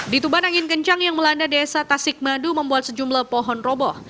di tuban angin kencang yang melanda desa tasik madu membuat sejumlah pohon roboh